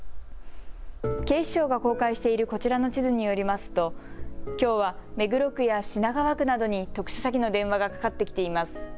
警視庁が公開しているこちらの地図によりますときょうは目黒区や品川区などに特殊詐欺の電話がかかってきています。